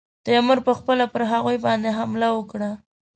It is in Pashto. تیمور پخپله پر هغوی باندي حمله وکړه.